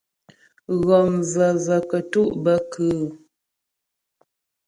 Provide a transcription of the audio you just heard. Ghɔm vəvə kətú' bə kʉ́ʉ́ ?